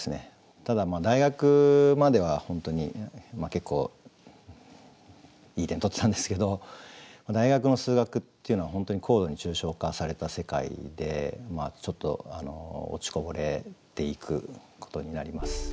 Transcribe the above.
ただ大学までは本当に結構いい点取ってたんですけど大学の数学っていうのは本当に高度に抽象化された世界でちょっと落ちこぼれていくことになります。